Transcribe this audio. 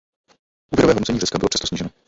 Úvěrové hodnocení Řecka bylo přesto sníženo.